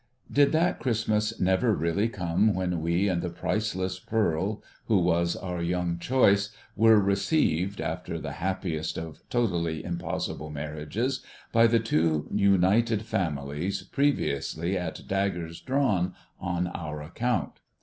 Did that Christmas never really come when we and the priceless pearl who was our young choice were received, after the happiest of totally impossible marriages, by the two united families previously at daggers drawn on our account